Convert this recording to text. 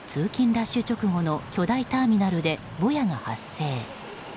ラッシュ直後の巨大ターミナルで、ぼやが発生。